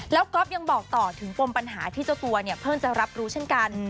แล้วก๊อฟยังบอกต่อถึงปมปัญหาที่เจ้าตัวเนี่ยเพิ่งจะรับรู้เช่นกัน